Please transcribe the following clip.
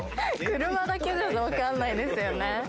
車だけだとわかんないですよ